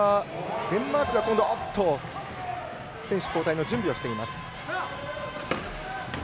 デンマークが選手交代の準備をしています。